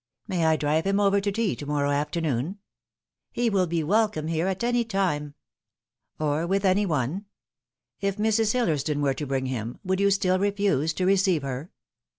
" May I drive him over to tea to morrow afternoon ?"" He will be welcome here at any time." " Or with any one ? If Mrs. Hillersdon were to bring him, would you still refuse to receive her